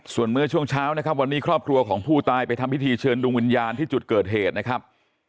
ส่วนเมื่อช่วงเช้านะครับวันนี้ครอบครัวของผู้ตายไปทำพิธีเชิญดวงวิญญาณที่จุดเกิดเหตุนะครับ